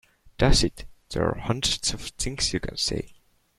Dash it, there are hundreds of things you can say.